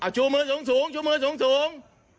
ชูมือสูง